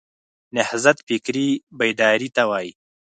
نهضت فکري بیداري ته وایي.